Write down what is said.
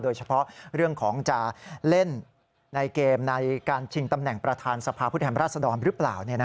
โดยเฉพาะเรื่องของจะเล่นในเกมในการชิงตำแหน่งประธานสภาพผู้แทนราชดรหรือเปล่า